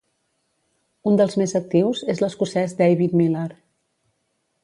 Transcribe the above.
Un dels més actius és l'escocès David Millar.